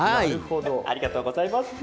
ありがとうございます！